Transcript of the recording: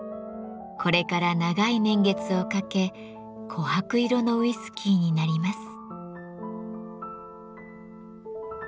これから長い年月をかけ琥珀色のウイスキーになります。